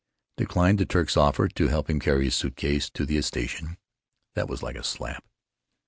—declined the Turk's offer to help him carry his suit cases to the station. That was like a slap.